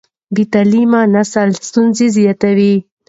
بې تعليمه نسل ستونزې زیاتوي.